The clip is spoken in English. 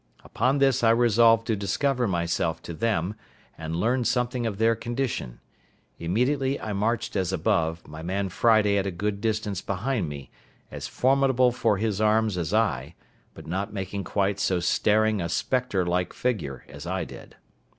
Upon this I resolved to discover myself to them, and learn something of their condition; immediately I marched as above, my man Friday at a good distance behind me, as formidable for his arms as I, but not making quite so staring a spectre like figure as I did.